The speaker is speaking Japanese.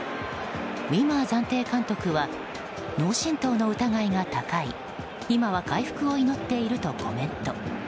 ウィマー暫定監督は脳しんとうの疑いが高い今は回復を祈っているとコメント。